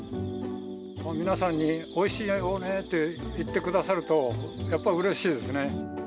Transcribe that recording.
皆さんにおいしいよねって言ってくださると、やっぱうれしいですね。